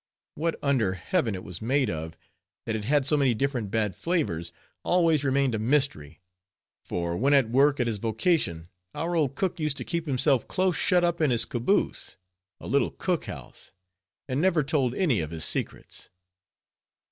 What under heaven it was made of, that it had so many different bad flavors, always remained a mystery; for when at work at his vocation, our old cook used to keep himself close shut up in his caboose, a little cook house, and never told any of his secrets.